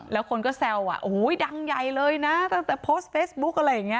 แล้วคนก็แซวอ่ะโอ้โหดังใหญ่เลยนะตั้งแต่โพสต์เฟซบุ๊คอะไรอย่างนี้